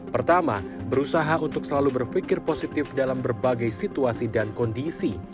pertama berusaha untuk selalu berpikir positif dalam berbagai situasi dan kondisi